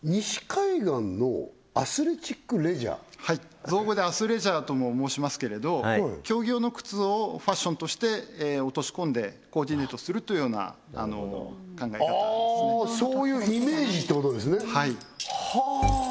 はい造語でアスレジャーとも申しますけれど競技用の靴をファッションとして落とし込んでコーディネートするというような考え方ですねそういうイメージってことですねはいはあ！